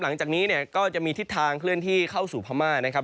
หลังจากนี้เนี่ยก็จะมีทิศทางเคลื่อนที่เข้าสู่พม่านะครับ